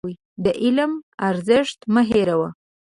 د علم ارزښت مه هېروه.